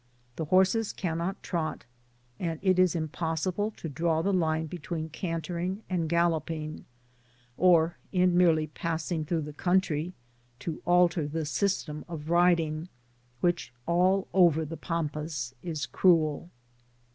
The horses cannot trot, and one cannot draw the line between cantering and galloping, or, in merely passing through the country, altar the system of riding, which all over the Pampas is cruel.